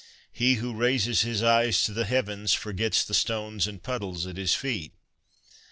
' He who raises his eyes to the heavens forgets the stones and puddles at his feet.'